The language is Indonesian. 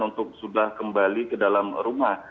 untuk sudah kembali ke dalam rumah